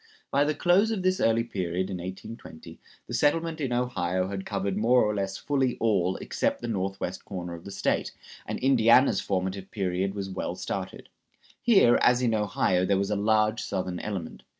By the close of this early period, in 1820, the settlement in Ohio had covered more or less fully all except the northwest corner of the State, and Indiana's formative period was well started. Here, as in Ohio, there was a large Southern element.